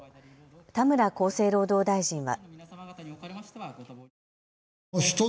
田村厚生労働大臣は。